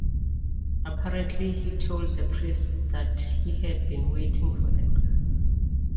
Apparently, he told the priests that he had been waiting for them.